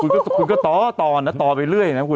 คุณก็ต่อนะต่อไปเรื่อยนะคุณ